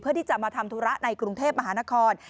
เพื่อที่จะมาทำธุระในกรุงเทพมหานคร